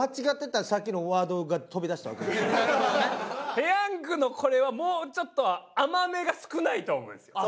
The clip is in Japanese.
ペヤングのこれはもうちょっと甘みが少ないと思うんですよ。